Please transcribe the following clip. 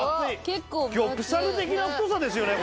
ギョプサル的な太さですよね